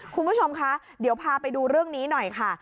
คุณผู้ชมคะเดี๋ยวพาไปดูเรื่องนี้หน่อยค่ะ